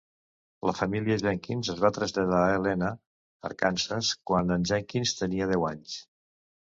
La família Jenkins es va traslladar a Helena, Arkansas, quan en Jenkins tenia deu anys.